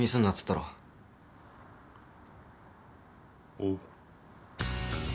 おう。